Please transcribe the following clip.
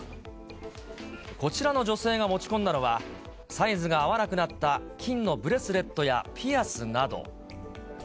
こちらの女性が持ち込んだのは、サイズが合わなくなった金のブレスレットやピアスなど。